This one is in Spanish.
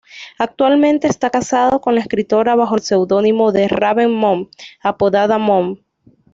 Actualmente está casado con la escritora bajo el seudónimo de Raven Moon, apodada Moon.